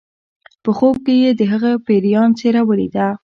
په خوب کې یې د هغه پیریان څیره ولیده